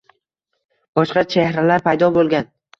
Boshqa chehralar paydo bo’lgan.